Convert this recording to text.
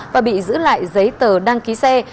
và bị giữ lại giấy tờ đăng ký xe